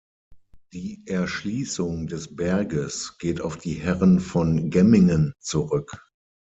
Die Erschließung des Berges geht auf die Herren von Gemmingen zurück.